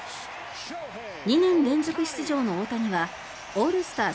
２年連続出場の大谷はオールスター